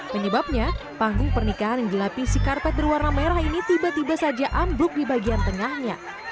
penyebabnya panggung pernikahan yang dilapisi karpet berwarna merah ini tiba tiba saja ambruk di bagian tengahnya